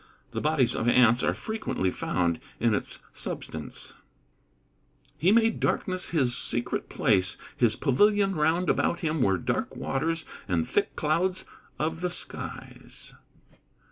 The bodies of ants are frequently found in its substance. [Verse: "He made darkness his secret place: his pavilion round about him were dark waters and thick clouds of the skies."